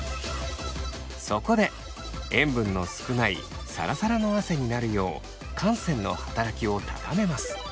そこで塩分の少ないサラサラの汗になるよう汗腺の働きを高めます。